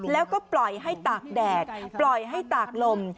แล้วก็ปล่อยให้ตากแดดปล่อยให้ตากลม